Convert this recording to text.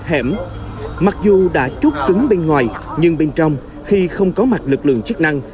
hẻm mặc dù đã chút cứng bên ngoài nhưng bên trong khi không có mặt lực lượng chức năng